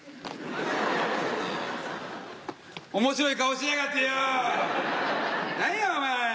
おもしろい顔しやがってよぉ。